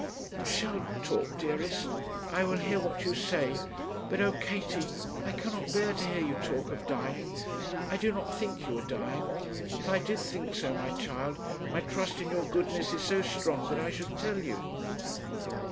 'You shall talk, dearest; I will hear what you say; but oh, Katie, I cannot bear to hear you talk of dying. I do not think you are dying. If I did think so, my child, my trust in your goodness is so strong that I should tell you.'